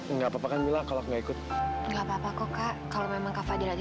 enggak papa kan mila kalau nggak ikut nggak papa kok kak kalau memang kava di